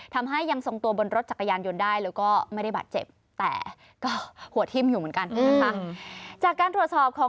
ทำให้ยังส่งตัวบนรถจักรยานยนต์ได้แล้วก็ไม่ได้บาดเจ็บ